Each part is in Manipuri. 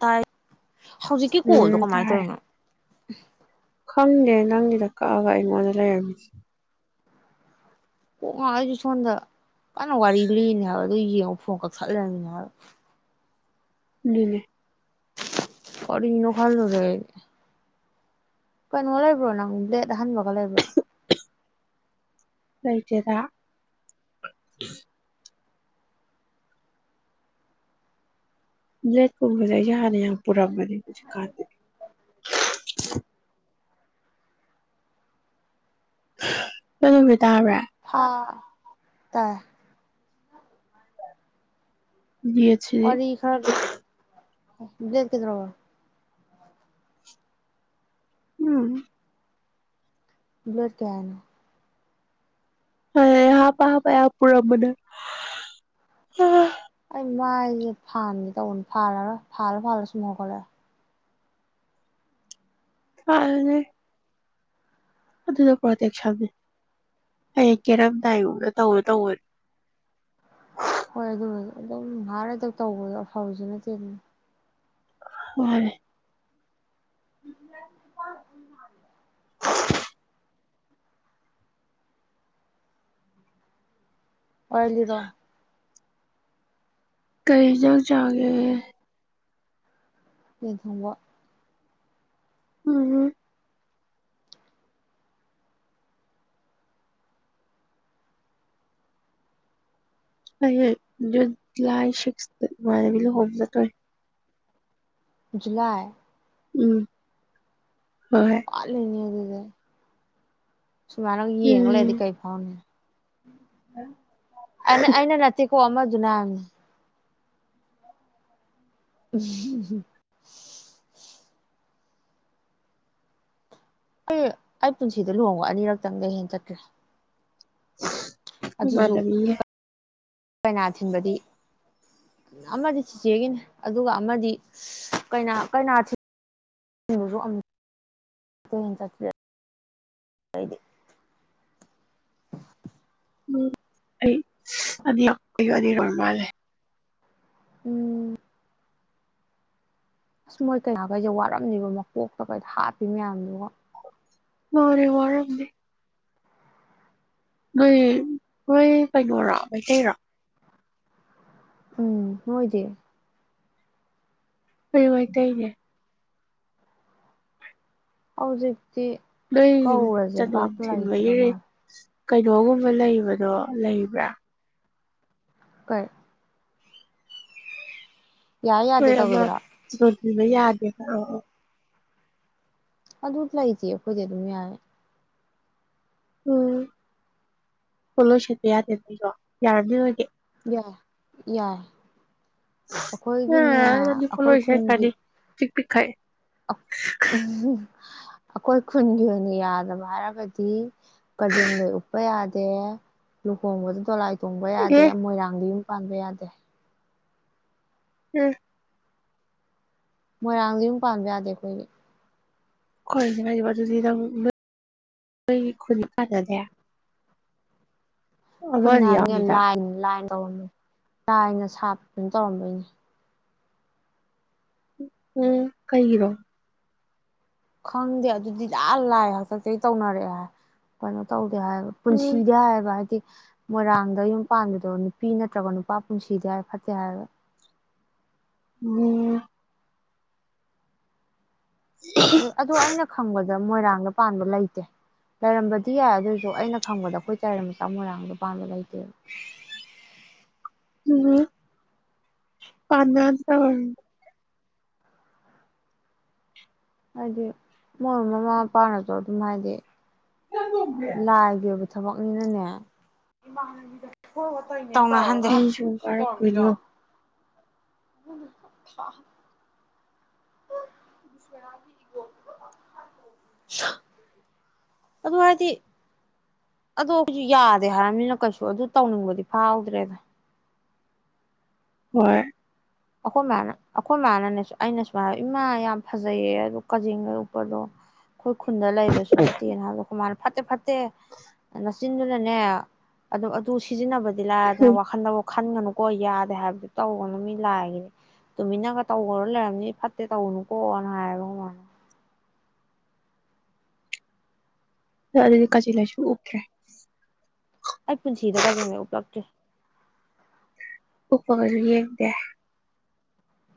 ꯇꯥꯏ ꯍꯧꯖꯤꯛꯀꯤ ꯀꯣꯜꯗꯣ ꯎꯝ ꯀꯃꯥꯏꯅ ꯇꯥꯔꯦ ꯇꯧꯔꯤꯅꯣ [inaudible] ꯈꯪꯗꯦ ꯅꯪꯅꯤꯗ ꯀꯛꯑꯒ ꯑꯩꯉꯣꯟꯗ ꯂꯩꯔꯝꯃꯤꯁꯦ ꯑꯣ ꯃꯥꯗꯤꯁꯨꯗ ꯀ ꯋꯥꯔꯤꯔꯂꯤꯅꯦ ꯑꯗꯨꯣꯏ ꯌꯦꯡꯉꯣ ꯐꯣꯡ ꯀꯛ ꯁꯠꯂꯃꯤꯅ ꯎ ꯀꯔꯤꯅꯣ ꯈꯜꯂꯨꯔ‌ꯦ ꯑꯩ ꯀꯩꯅꯣ ꯂꯩꯕ꯭ꯔꯣ ꯅꯪ ꯕ꯭ꯂꯦꯠ ꯑꯍꯟꯕꯒ ꯂꯩꯕ꯭ꯔꯥ ꯀꯩꯖ‌ꯦꯗꯥ ꯕꯂ‌ꯦꯠ ꯒꯨꯝꯕꯁ‌ꯦ ꯑꯩꯗꯤ ꯍꯥꯟꯅ ꯌꯥꯝ ꯄꯨꯔꯥꯝꯕꯅꯤ ꯀꯥꯗ ꯅꯪ ꯅꯨꯃꯤꯠ ꯇꯥꯕꯔ ꯍꯥ ꯇꯥꯏꯌ‌ꯦ ꯅꯦꯠꯁꯤꯗꯤ ꯋꯥꯔꯤ ꯈꯔꯗꯤ [unintelligible] ꯀꯩꯗ꯭ꯔꯣꯕ ꯎꯝ [unintelligible] ꯀꯩ ꯍꯥꯏꯅ‌ꯣ ꯍ ꯍꯥꯞꯄ ꯍꯥꯞꯄ ꯌꯥꯝ ꯄꯨꯔꯝꯕꯅ‌ꯦ ꯑꯩ ꯃꯥꯏꯁꯦ ꯐꯥꯟꯒ‌ꯦ ꯇꯧꯕꯅ‌ꯦ ꯐꯥꯜꯂꯔ‌ꯣꯏ ꯐꯥꯜꯂ ꯐꯥꯜꯂ ꯁꯨꯝ ꯍꯧꯒꯠꯂꯦꫪꯛꯑꯦ ꯐꯥꯜꯂꯨꯅꯦ ꯑꯗꯨꯅ ꯄ꯭ꯔꯣꯇꯦꯛꯁꯟꯅꯤ ꯑꯩ ꯀꯦꯔꯝꯗꯥꯏꯒꯨꯝꯕꯗ ꯇꯧꯒ‌ꯦ ꯇꯧꯅꯤ ꯍꯣꯏ ꯑꯗꯨꯕꯨ ꯑꯗꯨꯝ ꯉꯥꯛ ꯂꯩꯗ ꯇꯧꯕꯗꯣ ꯑꯐꯕꯁꯨ ꯅꯠꯇꯦ ꯑꯗꯨꯝ ꯃꯥꯅ‌ꯦ [unintelligible] ꯋꯥꯔꯤ ꯂꯤꯔꯣ ꯀꯩ ꯏꯟꯖꯥꯡ ꯆꯥꯒꯦ ꯌꯦꯟ ꯊ‌ꯣꯡꯕ [unintelligible] ꯑꯩꯁ‌ꯦ ꯖꯨꯟ ꯖꯨꯂꯥꯏ ꯁꯤꯛꯁꯇ ꯏꯃꯥꯟꯅꯕꯤ ꯂꯨꯍ‌ꯣꯡꯕ ꯆꯠꯇꯨꯔꯤ ꯖꯨꯂꯥꯏ ꯎꯝ ꯍꯣꯏ ꯋꯥꯠꯂꯤꯅꯤ ꯑꯗꯨꯗꯤ [unintelligible] ꯁꯨꯃꯥꯏꯅ ꯌꯦꯡ ꯂꯩꯔꯗꯤ ꯎꯝ ꯀꯩ ꯐꯥꯎꯅꯤ ꯑ ꯑꯩꯅ ꯅꯠꯇ‌ꯦ ꯀ‌ꯣ ꯑꯗꯨꯅ ꯏꯁ [unintelligible] ꯑꯩ ꯑꯩ ꯄꯨꯟꯁꯤꯗ ꯂꯨꯍꯣꯡꯕ ꯑꯅꯤꯔꯛꯇꯪꯗ ꯍꯦꯟ ꯆꯠꯇꯔꯤ ꯅꯃꯥꯟꯅꯕꯤꯒꯤ ꯀꯩꯅꯥ ꯊꯤꯟꯕꯗꯤ ꯑꯃꯗꯤ ꯆꯤꯆꯦꯒꯤꯅꯤ ꯑꯗꯨꯒ ꯑꯃꯗꯤ ꯀꯩꯅꯥ [unintelligible] ꯎꯝ ꯑꯩ ꯑꯅꯤ ꯑꯅꯤꯔꯛ ꯑꯣꯏ ꯃꯥꯜꯂꯦ ꯎꯝ ꯑꯁ ꯃꯣꯏ ꯀꯩꯅꯥꯈꯩꯁꯦ ꯋꯥꯔꯝꯃꯤꯕ ꯃꯀꯣꯛꯇ ꯀꯩꯗ ꯍꯥꯞꯄꯤ ꯃꯌꯥꯝꯗꯨꯒ ꯃꯥꯅꯦ ꯋꯥꯔꯝꯅꯤ ꯅꯣꯏ ꯍꯣꯏ ꯀꯩꯅꯣꯔꯥ ꯃꯩꯇꯩꯔ‌ꯣ ꯎꯝ ꯅ‌ꯣꯏꯗꯤ ꯈ‌ꯣꯏꯁꯨ ꯃꯩꯇꯩꯅꯦ ꯍꯧꯖꯤꯛ ꯅꯣꯏ ꯆꯥꯅꯣꯟ ꯊꯤꯟꯕ ꯂꯩꯇ꯭ꯔ ꯏꯔꯦ ꯃꯥꯜꯂꯦ ꯀꯩꯅꯣꯒꯨꯝꯕ ꯂꯩꯕꯗꯣ ꯂꯩꯕ꯭ꯔꯥ ꯍꯣꯏ ꯌꯥꯏ ꯌꯥꯗꯦ ꯇꯒꯗ꯭ꯔꯥ ꯄꯕ ꯌꯥꯗꯦ ꯑ ꯑ ꯑ ꯠ ꯂ ꯏꯁꯤꯦꯈꯣꯏꯗꯤꯦ ꯑꯗꯨꯃꯤ ꯌꯥ ꯎꯝ ꯄꯣꯂꯣꯏ ꯁꯦꯠꯄ ꯌꯥꯗꯦ ꯅꯗꯣ ꯌꯥꯔꯅꯤ ꯑꯣꯏꯒꯦ ꯌꯥꯏ ꯌꯥꯏ ꯑꯩꯈꯣꯏꯒꯤꯅꯦ ꯑꯅꯤ ꯐꯂꯣꯁꯦ ꯀꯅꯤ ꯄꯤꯈꯥꯏ ꯎ ꯑꯩꯈꯣꯏ ꯈꯨꯟꯒꯤ ꯑꯣꯏꯅ ꯌꯥꯗꯕ ꯍꯥꯏꯔꯒꯗꯤ ꯀꯖꯦꯡ ꯂꯣꯏ ꯎꯞꯄ ꯌꯥꯗꯦ ꯂꯨꯍꯣꯡꯕꯗ ꯇꯣꯂꯥꯏ ꯇꯣꯡꯕ ꯑꯦ ꯌꯥꯗꯦ ꯃꯣꯏꯔꯥꯡꯒꯤ ꯌꯨꯝ ꯄꯥꯟꯕ ꯌꯥꯗꯦ ꯎꯝ ꯃꯣꯏꯔꯥꯡꯗꯤ ꯌꯨꯝ ꯄꯥꯟꯕ ꯌꯥꯗꯦ ꯑꯩꯈꯣꯏꯒꯤ ꯍꯣꯏ ꯉꯥꯏꯕ ꯑꯗꯨꯗꯤꯛ ꯅꯣꯏ ꯈꯨ ꯀꯥꯖꯗꯦ ꯈꯨꯟꯅꯕꯅꯤ ꯌꯥꯎꯅꯤꯗ ꯂꯥꯏꯟ ꯂꯥꯏꯟ ꯧꯔꯝ ꯂꯥꯏꯅ ꯁꯥꯞꯄꯗꯨꯅ ꯇꯧꯔꯝꯗꯣꯏꯅꯦ ꯎꯝ ꯀꯩꯔꯣ ꯈꯪꯗꯦ ꯑꯗꯨꯗꯤ ꯂ ꯂꯥꯏꯑ ꯍꯥꯛꯇꯛꯇꯒꯤ ꯇꯧꯅꯔꯛꯑꯦ ꯍꯥꯏ ꯀꯩꯅꯣ ꯇꯧ ꯍꯥꯏ ꯎꯝ ꯄꯨꯟꯁꯤꯗ ꯍꯥꯏꯕꯗꯤ ꯃꯣꯏꯔꯥꯡꯗ ꯌꯨꯝ ꯄꯥꯟꯕꯗꯣ ꯅꯨꯄꯤ ꯅꯠꯇ꯭ꯔꯒ ꯅꯨꯄꯥ ꯄꯨꯟꯁꯤꯗꯤ ꯍꯥꯏ ꯐꯠꯇꯦ ꯍꯥꯏꯕ ꯑꯣꯝ ꯑꯗꯨ ꯑꯩꯅ ꯈꯪꯕꯗ ꯗ ꯃꯣꯏꯔꯥꯡꯗ ꯄꯥꯟꯕ ꯂꯩꯇꯦ ꯂꯩꯔꯝꯕꯗꯤ ꯌꯥꯏ ꯑꯗꯨꯏꯁꯨ ꯑꯩꯅ ꯈꯪꯕꯗ ꯑꯩꯈꯣꯏ ꯆꯥꯏꯔꯃꯤꯆꯥ ꯃꯣꯏꯔꯥꯡꯗ ꯄꯥꯟꯕ ꯂꯩꯇꯦꯕ ꯎꯝ ꯄꯅ ꯍꯥꯏꯗꯤ ꯃꯣꯏ ꯃꯃꯥ ꯃꯄꯥꯅꯁꯨ ꯑꯗꯨꯝ ꯍꯥꯏꯗꯤ ꯂꯒꯤꯦꯕ ꯊꯕꯛꯅꯤꯅꯅꯦ ꯍꯟꯦ ꯐꯤ ꯁꯨꯝ ꯀꯥꯔꯛꯇꯣꯏꯅꯦ ꯇꯧ ꯎ ꯑꯗꯨ ꯍꯥꯏꯗꯤ ꯑꯗꯨ ꯑꯩꯈꯣꯏꯁꯨ ꯌꯥꯗꯦ ꯍꯥꯏꯔꯕꯝꯅꯤꯅ ꯀꯩꯁꯨ ꯑꯗꯨ ꯇꯧꯅꯤꯡꯕꯗꯤ ꯐꯥꯎꯗ꯭ꯔꯦꯗ ꯍꯣꯏ ꯑꯩꯈꯣꯏꯃꯅ ꯑꯩꯈꯣꯏ ꯏ ꯃꯃꯅꯅꯦꯁꯨ ꯑꯩꯅ ꯁꯨ ꯍꯥꯏ ꯏꯃꯥ ꯌꯥꯝ ꯐꯖꯩꯌꯦ ꯑꯗꯨ ꯀꯥꯖꯤꯤꯡꯒ ꯎꯛꯄꯗꯣ ꯑꯩꯈꯣꯏ ꯈꯨꯟꯗ ꯂꯩꯕꯁꯨ ꯅꯠꯇꯦꯅ ꯍꯥꯏꯕ ꯈꯨꯨꯃꯔ ꯐꯠꯇꯦ ꯐꯠꯇꯦ ꯅꯆꯤꯟꯗꯨꯅꯅꯦ ꯑꯗꯨ ꯑꯗꯨ ꯁꯤꯖꯤꯟꯅꯕꯗꯤꯂꯗꯅ ꯋꯥꯈꯜꯗ ꯈꯟꯒꯅꯨꯀꯣ ꯌꯥꯗꯦ ꯍꯥꯏꯕꯗꯤ ꯇꯧꯒꯅꯨ ꯃꯤꯅ ꯂꯥꯛꯈꯤꯅꯦ ꯇꯨꯃꯤꯟꯅꯒ ꯇꯧꯈ꯭ꯔ ꯂꯩꯔꯕꯝꯅꯤ ꯐꯠꯇꯦ ꯇꯧꯅꯨꯀꯣꯅ ꯍꯥꯏꯌꯦꯕ ꯃꯥꯅ ꯅꯪ ꯑꯗꯨꯗꯤ ꯀꯖꯦꯡ ꯂꯩꯁꯨ ꯎꯞꯇ꯭ꯔꯦ ꯑꯩ ꯄꯨꯟꯁꯤꯗ ꯀꯖꯦꯡꯂꯩ ꯎꯄꯛꯇ꯭ꯔꯤ ꯎꯞꯄꯒꯁꯨ ꯌꯦꯡꯗꯦ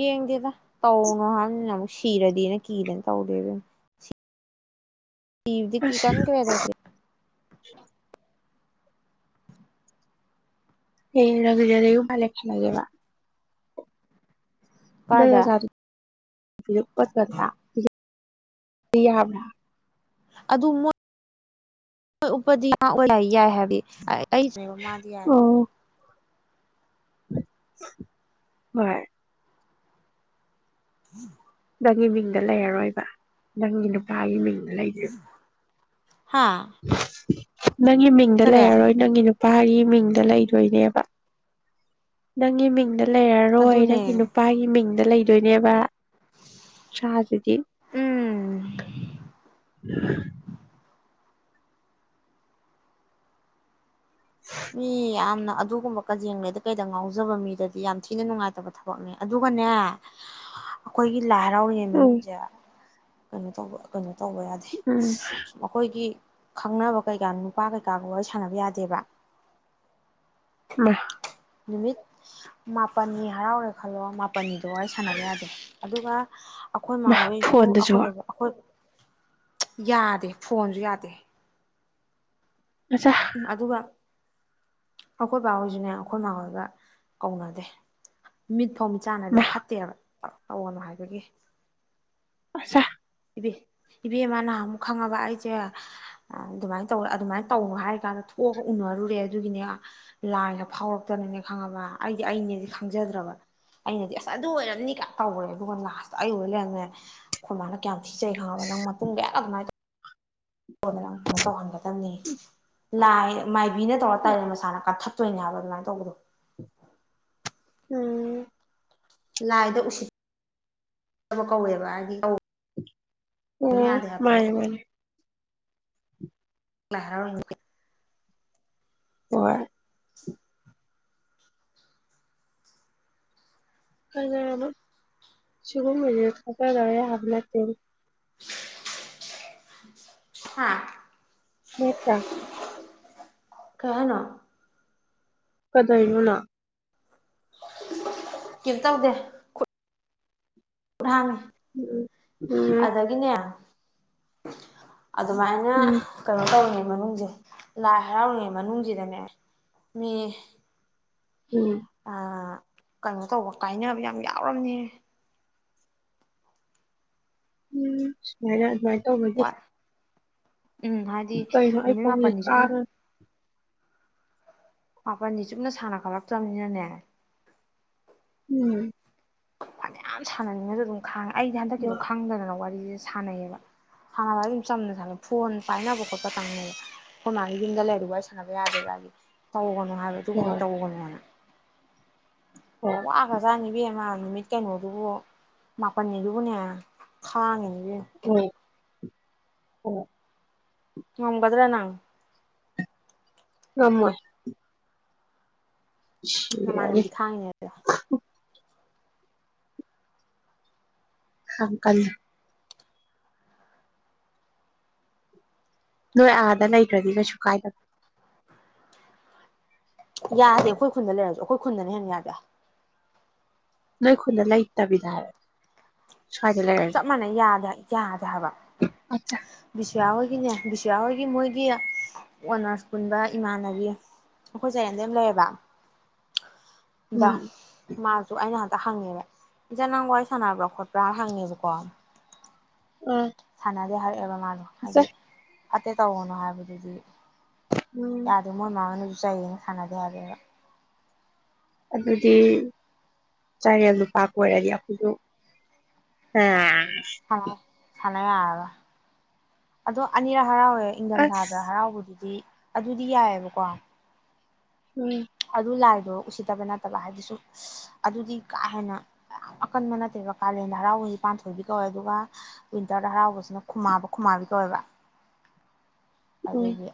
ꯌꯦꯡꯗꯦꯗ ꯇꯧꯅꯣ ꯍꯥꯏꯝꯅꯤꯅ ꯑꯃꯨꯛ ꯁꯤꯔꯗꯤꯅ ꯀꯤꯗꯅ ꯇꯧꯗꯦ ꯑꯗꯨꯅ ꯁꯤꯕꯗꯤ ꯑꯁ ꯀꯤꯒꯟꯒ꯭ꯔꯦ ꯗꫭ ꯈꫭꯏ [inaudible] ꯔꯦ ꯔꯕꯤꯗ ꯅꯌꯨꯝ ꯄꯥꯜꯂꯦ ꯈꯜꯂꯖꯦꯕ ꯅꯪ ꯀꯥꯏꯗ ꯅꯆꯥꯗꯨ [inaudible] ꯑꯗꯨꯣ ꯃꫭꯏ ꯎꯞꯄꯗꯤ ꯌꯥꯎ ꯌꯥꯏ ꯍꯥꯏꯕꯗꯤ ꯑꯩ ꯆ ꯃꯥꯗꯤ ꯌꯥꯏꯕ ꯚꯥꯏ [inaudible] ꯅꯪꯒꯤ ꯃꯤꯡꯗ ꯂꯩꯔꯔꯣꯏꯕ ꯅꯪꯒꯤ ꯅꯨꯄꯥꯒꯤ ꯃꯤꯡ ꯂꯩ ꯗꫭꯏꯕ ꯍꯥꯥ ꯅꯪꯒꯤ ꯃꯤꯡꯗ ꯂꯩꯔꯔꯣꯏ ꯅꯪꯒꯤ ꯅꯨ ꯄꯥꯒꯤ ꯃꯤꯡꯗ ꯂꯩꯗꯣꯏꯅꯦꯕ ꯅꯪꯒꯤ ꯃꯤꯡꯗ ꯂꯩꯔꯔꯣꯏ ꯑꯗꯨꯅꯦ ꯅꯪꯒꯤ ꯅꯨꯄꯥꯒꯤ ꯃꯤꯡꯗ ꯂꯩ ꯗꫭꯏꯅꯦꯕ ꯁꯥꯒꯤꯗꯤ ꯎꯝ ꯃꯤ ꯌꯥꯝꯅ ꯑꯗꯨꯒꯨꯝꯕ ꯀꯖꯦꯡꯂꯩꯗ ꯀꯩꯗ ꯉꯥꯎꯖꯕ ꯃꯤꯗꯗꯤ ꯌꯥꯝ ꯊꯤꯅ ꯅꯨꯡꯉꯥꯏꯇꯕ ꯊꯕꯛꯅꯦ ꯑꯗꯨꯒꯅꯦ ꯑꯩꯈꯣꯏꯒꯤ ꯂꯥꯏ ꯍꯔꯥꯎꯔꯤꯉꯩ ꯎꯝ ꯃꯅꯨꯡꯁꯦ ꯀꯩꯅꯣ ꯇꯩꯕ ꯀꯩꯅꯣ ꯇꯧꯕ ꯌꯥꯗꯦ ꯎꯝ ꯁꯨꯝ ꯑꯩꯈꯣꯏꯒꯤ ꯈꯪꯅꯕ ꯀꯩꯀꯥ ꯅꯨꯄꯥ ꯀꯩꯀꯥꯒ ꯋꯥꯔꯤ ꯁꯥꯟꯅꯕ ꯌꯥꯗꯦꯕ ꯃꯥ ꯅꯨꯃꯤꯠ ꯃꯥꯄꯟꯅꯤ ꯍꯔꯥꯎꯔꯦ ꯈꯜꯂꯣ ꯃꯥ ꯄꯟꯅꯤꯗꯣ ꯋꯤꯔꯤ ꯁꯥꯟꯅꯕ ꯌꯥꯗꯦ ꯑꯗꯨꯒ [inaudible] ꯑꯩꯈꯣꯏ ꯃꯥ ꯃꯥꯍꯣꯎꯁꯨ ꯐꯣꯟꯗꯁꯨ ꯑꯩꯈꯣꯏ ꯕꯕꯥ ꯑꯩꯈꯣꯏ ꯌꯥꯗꯦ ꯐꯣꯟꯁꯨ ꯌꯥꯗꯦ ꯃꯆꯥ ꯑꯗꯨꯕ ꯑꯩꯈꯣꯏ ꯕꯥ ꯍꯣꯏꯁꯨꯅꯦ ꯑꯩꯈꯣꯏ ꯏ ꯃꯥꯥ ꯍꯣꯏꯒ ꯀꯧꯅꯗꯦ ꯃꯤꯠ ꯐꯧ ꯆꯥꯟꯅꯗꯦ ꯃꯥ ꯐꯠꯇꯦꯕ ꯑꯑꯣꯅ ꯍꯥꯏꯕꯒꯤꯦ ꯁ ꯏꯕꯦ ꯏꯕꯦꯝꯃ ꯅꯍꯥꯟ ꯑꯃꯨꯛ ꯈꯪꯉꯕ ꯑꯩꯁꯦ ꯑꯗꯨꯃꯥꯏꯅ ꯇꯧꯔ ꯑꯗꯨꯃꯥꯏꯅ ꯇꯧꯅꯣ ꯍꯥꯏꯔ ꯀꯥꯟꯗ ꯊꯣꯛꯑꯒ ꯎꯅꯔꯨꯔꯦ ꯑꯗꯨꯒꯤꯅꯦ ꯂꯥꯏꯒ ꯐꯥꯎꯔꯛꯇꯅꯅꯦ ꯈꯪꯉꯕ ꯑꯩꯗꯤ ꯑꯩꯅꯦꯗꯤ ꯈꯪꯖꯗ꯭ꯔꯕ ꯑꯩꯅꯗꯤ ꯑꯁ ꯑꯗꯨ ꯑꯣꯏꯔꯝꯅꯤꯒ ꯇꯧꯔꯦ ꯑꯗꯨꯒ ꯂꯥꯁꯇ ꯑꯩ ꯑꯣꯏ ꯂꯩꯔꯝꯅꯦ ꯈꯨꯃꯅ ꯁꯤꯆ ꯈꯪꯉꯕ ꯅꯪ ꯃꯇꯨꯡ ꯀꯌꯥ ꯑꯗꯨꯃꯥꯏꯅ ꯑꯩꯉꯣꯟꯗꯅꯪ ꯐꯣꯟ ꯇꯧꯍꯟꯒꯗꯕꯅꯤ ꯂ ꯃꯥꯏꯗꯤ ꯀꯕꯤꯅ ꯇꯧꯔ ꯇꯥꯔꯅ ꯃꯁꯥꯅ ꯀꯛꯊꯠ ꯆꯣꯏꯅꯦ ꯍꯥꯏꯕ ꯑꯗꯨꯃꯥꯏꯅ ꯇꯧꯕꯗꯣ ꯎꯝ ꯂꯥꯏꯗ ꯎꯁꯤꯠꯕ ꯀꯧꯋꯦꯕ ꯍꯥꯏꯗꯤ ꯀꯧ ꯑꯣ ꯃꯥꯅꯦ ꯃꯥꯅꯦ ꯂ ꯍꯔꯥꯎ ꯑ ꯀꯅ ꯆꯒꯨꯝ ꯊꯗꯦ ꯍꯥꯂ ꯍꯥꯥ ꯃꯦꯇ꯭ꯔꯥ ꯀꯍꯅ ꯀꯗꯥꯏꯣꯅ ꯀꯝꯇꯧꯗꯦ ꯥꯡ ꯎꯝ ꯎꯝ [unintelligible] ꯑꯗꯨꯃꯥꯏꯅ ꯎꯝ ꯀꯩꯅꯣ ꯇꯧꯅꯤ ꯃꯅꯨꯡꯁꯦ ꯂꯥꯏ ꯍꯔꯥꯎꯔꯤꯉꯩ ꯃꯅꯨꯡꯁꯤꯗꯅꯦ ꯃꯤ ꯎꯝ ꯑ ꯀꯩꯅꯣ ꯇꯧꯕ ꯀꯥꯏꯅꯕ ꯌꯥꯝ ꯌꯥꯎꯔꯕꯝꯅꯦ ꯎꯝ ꯍ ꯇꯦ ꯋꯥꯏ ꯎꯝ ꯍꯥꯏꯗꯤ ꯅꯨꯃꯤꯠ ꯃꯥꯄꯜꯅꯤ ꯁꯨꯞꯅ ꯀꯥꯡꯉ ꯃꯥꯄꯜꯗꯤ ꯆꯨꯞꯅ ꯁꯥꯟꯅ ꯈꯠꯂꯛꯇ꯭ꯔꯕꯅꯤꯅꯅꯦ ꯎꯝ ꯐꯅ ꯌꯥꯝ ꯁꯥꯟꯅꯅꯤꯡꯅꯁꯨ ꯑꯗꯨꯝ ꯈꯥꯡꯉꯦ ꯑꯩꯗꯤ ꯍꯟꯗꯛꯀꯤꯗꯣ ꯈꯪꯗꯅ ꯋꯥꯔꯤ ꯁꯥꯟꯅꯩꯌꯦꯕ ꯁꯥꯟꯅꯕ ꯑꯗꯨꯝ ꯆꯝꯅ ꯁꯥꯟ ꯐꯣꯟ ꯄꯥꯏꯅꯕ ꯈꯣꯠꯄ ꯇꯪꯕ ꯑꯩꯈꯣꯏ ꯃꯥꯒꯤ ꯌꯨꯝꯗ ꯂꯩꯔꯨꯕ ꯑꯩ ꯁꯥꯟꯅꯕ ꯌꯥꯗꯦꯗꯤ ꯇꯧꯒ ꯍꯥꯏꯕ ꯑꯗꯨꯒꯨꯝꯕ ꯍꯣꯏ ꯇꯧꯒꯅꯅ ꯍꯣꯏ ꯋꯥ ꯈꯁꯅꯤꯕꯤꯃ ꯅꯨꯃꯤꯠ ꯀꯩꯅꯣꯗꯨꯕꯨ ꯃꯥꯄꯜꯅꯤꯗꯨꯕꯨꯅꯦ ꯈꯥꯡꯉꯤꯅꯦ ꯎ ꯑꯣ ꯑꯣꯝꯕꯗꯔꯥ ꯅꯪ ꯑꯃ ꯁꯤꯌꯥꯅꯤ ꯅꯃꯥꯟꯅꯕꯤꯗꯤ ꯈꯥꯡꯉꯤꯅꯦ ꯍ ꯀꯜ ꯅꯣꯏ ꯑꯥꯗ ꯂꯩꯇ꯭ꯔꯗꯤ ꯀꯩꯁꯨ ꯀꯥꯏꯗ ꯌꯥꯗꯦ ꯑꯩꯈꯣꯏ ꯈꯨꯟꯗ ꯂꯩꯔꯁꯨ ꯑꯩꯈꯣꯏ ꯈꯨꯨꯟꯗꯅꯤ ꯍꯟꯅ ꯌꯥꯗꯦ ꯂꯈꯟ ꯏꯇꯥꯕꯤꯗꯥ ꯆꯞ ꯃꯅ ꯌꯥꯗ ꯍꯥꯏ ꯆꯥꯛ ꯕ ꯑꯆꯥ ꯕꯤꯁꯌꯥ ꯑꯣꯏꯒꯤꯅꯦ ꯕꯤꯁ ꯑꯣꯏ ꯑꯩ ꯃꯣꯏꯒꯤ ꯑꯣꯅꯔꯁ ꯄꯨꯟꯕ ꯏꯃꯥꯟꯅꯕꯤ ꯑꯩꯈꯣꯏ ꯆꯔꯦꯟꯗꯩ ꯑꯃꯥ ꯂꯩꯌꯦꯕ ꯗ ꯎꯝ ꯃꯥꯁꯨ ꯑꯩꯅ ꯍꯟꯇ ꯍꯪꯉꯦꯕ ꯏꯆꯦ ꯅꯪ ꯋꯥꯔꯤ ꯁꯥꯟꯅꯕ꯭ꯔꯥ ꯈꯣꯠꯄ꯭ꯔꯥ ꯍꯪꯉꯦꯕ ꯀꯣ ꯎꯝ ꯍꯔ ꯑꯦ [unintelligible] ꯃꯥꯗꯣ ꯍꯥꯏꯗꯤ ꯐꯠꯇꯦ ꯇꯧꯒꯥꯅꯣ ꯍꯥꯏꯕꯗꯨꯗꯤ ꯎꯝ ꯌꯥꯗꯦ ꯃꯣꯏ ꯃꯥꯅꯖꯨ ꯆꯩꯅ ꯁꯥꯅꯗꯦ ꯍꯥꯏꯕꯅꯦ ꯕꯥ ꯑꯗꯨꯗꯤ ꯆꯥꯔꯦꯜ ꯅꯨꯨꯄꯥ ꯀꯣꯏꯔꯗꯤ ꯑꯩꯈꯣꯏꯗꯨ ꯑ ꯑ ꯁꯥꯟꯅꯒ ꯑꯗꯣ ꯑꯅꯤꯔꯛ ꯍꯔꯥꯎꯋꯦ ꯏꯪꯊꯝꯊꯥꯗ ꯍꯔꯥꯎꯕꯗꯨꯗꯤ ꯑꯗꯨꯗꯤ ꯌꯥꯏꯑꯕꯀꯣ ꯍꯝ ꯑꯗꯨ ꯂꯥꯏꯗꯣ ꯎꯁꯤꯠꯇꯕ ꯅꯠꯇꯕ ꯍꯥꯏꯗꯤꯁꯨ ꯑꯗꯨꯗꯤ ꯀꯥ ꯍꯦꯟꯅ ꯌꯥꯝ ꯑꯀꯟꯕ ꯅꯠꯇꯦꯕ ꯀꯥꯂꯦꯟꯗ ꯍꯔꯥꯎꯗꯤ ꯄꯥꯟꯊꯣꯏꯕꯤ ꯀꯧꯋꯦ ꯑꯗꯨꯒ ꯋꯤꯟꯇꯔꯗ ꯍꯔꯥꯎꯕꯁꯤꯅ ꯈꯨꯃꯥꯕ ꯈꯨꯃꯥꯕꯤ ꯀꯧꯋꯦꯕ ꯎꯝ ꯑꯗꯨꯗꯒꯤ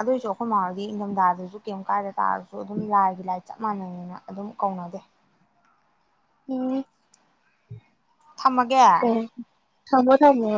ꯑꯗꯨꯏꯁꯨ ꯁꯝ ꯍꯥꯏꯥꯎꯔꯗꯤ ꯏꯪꯊꯝꯊꯥꯗꯁꯨ ꯀꯩ ꯀꯥꯏꯗ ꯇꯥꯔꯣ ꯁꯨ ꯑꯗꯨꯝ ꯂꯥꯏꯒꯤ ꯂꯥꯏ ꯆꯞ ꯃꯥꯟꯅꯩꯅ ꯑꯗꯨꯝ ꯀꯧꯅꯖꯦ ꯑꯣ ꯊꯝꯃꯒꯦ ꯊꯝꯃꯣ ꯊꯝꯃꯣ